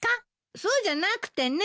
そうじゃなくてね。